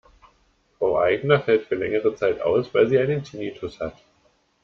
Frau Aigner fällt für längere Zeit aus, weil sie einen Tinnitus hat.